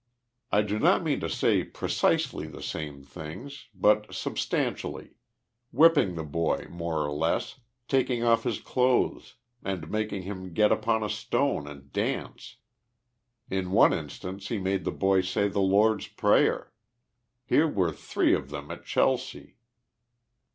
I do not mean to say precisel}* the same things, 5G THE LIFE OF JESSE HAED1XG POMEROY. but substantially ; whipping the boy more or less, taking off his clothes and making him get upon a stone and dance. In one in stance lie made the boy say ' the Lord's Prayer.' Here were three of them at Chelsea.